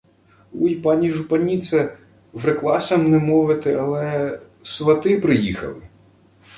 — Уй, пані жупаніце... Вреклася-м не мовити, але... Свати приїхали.